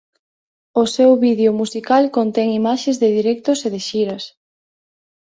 O seu vídeo musical contén imaxes de directos e de xiras.